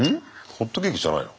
ホットケーキじゃないの？